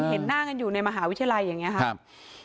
เห็นหน้ากันอยู่ในมหาวิทยาลัยอย่างนี้ครับ